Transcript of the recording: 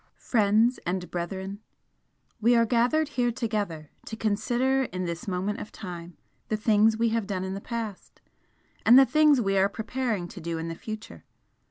"Friends and Brethren! "We are gathered here together to consider in this moment of time the things we have done in the past, and the things we are preparing to do in the future.